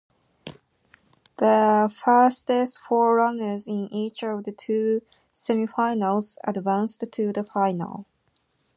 The fastest four runners in each of the two semifinals advanced to the final.